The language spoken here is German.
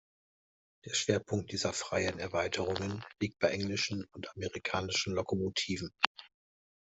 Der Schwerpunkt dieser freien Erweiterungen liegt bei englischen und amerikanischen Lokomotiven.